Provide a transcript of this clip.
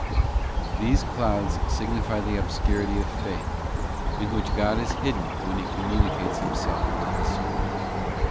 '{ These clouds signify the obscurity of faith, in which God is hidden when He communicates Himself to the soul.